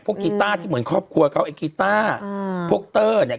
กีต้าที่เหมือนครอบครัวเขาไอ้กีต้าอืมพวกเตอร์เนี่ย